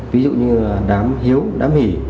ví dụ như đám hiếu đám hỉ